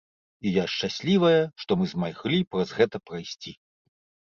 І я шчаслівая, што мы змаглі праз гэта прайсці.